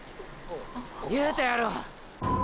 言うたやろ。